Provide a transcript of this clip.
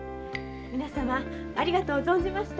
皆さまありがとう存じました。